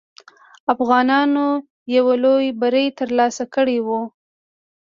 افغانانو یو لوی بری ترلاسه کړی وو.